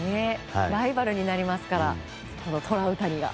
ライバルになりますからトラウタニが。